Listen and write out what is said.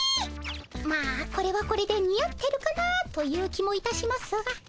まあこれはこれで似合ってるかなという気もいたしますが。